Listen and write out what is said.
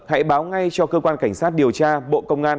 hãy báo ngay cho cơ quan cảnh sát điều tra bộ công an